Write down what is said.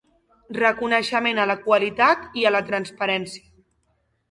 Reconeixement a la qualitat i a la transparència